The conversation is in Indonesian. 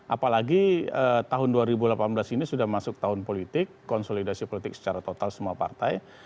apalagi tahun dua ribu delapan belas ini sudah masuk tahun politik konsolidasi politik secara total semua partai